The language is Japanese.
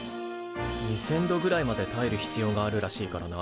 ２，０００度ぐらいまでたえる必要があるらしいからな。